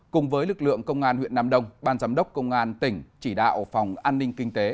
cùng với lực lượng công an huyện nam đông ban giám đốc công an tỉnh chỉ đạo phòng an ninh kinh tế